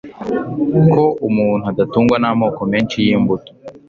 ko umuntu adatungwa n'amoko menshi y'imbuto